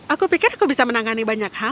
aku pikir aku bisa menangani banyak hal